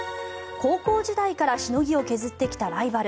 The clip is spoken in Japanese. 高校時代からしのぎを削ってきたライバル。